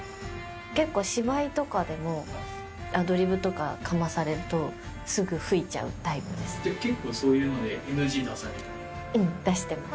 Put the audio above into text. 結構芝居とかでも、アドリブとかかまされると、すぐ吹いちゃうタ結構そういうので、ＮＧ出さうん、出してます。